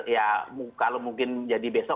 ya kalau mungkin jadi besok